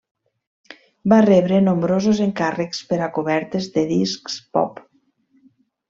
Va rebre nombrosos encàrrecs per a cobertes de discs pop.